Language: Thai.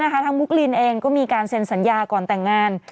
มุกลินเองก็มีการเซ็นสัญญาก่อนแต่งงาน